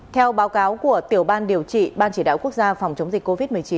theo báo cáo của tiểu ban điều trị ban chỉ đạo quốc gia phòng chống dịch covid một mươi chín